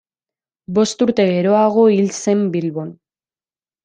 Bost urte geroago hil zen Bilbon.